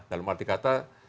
dalam arti kata